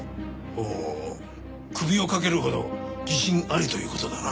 ほう首をかけるほど自信ありという事だな？